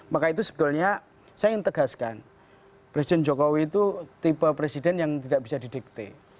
maka itu sebetulnya saya ingin tegaskan presiden jokowi itu tipe presiden yang tidak bisa didikte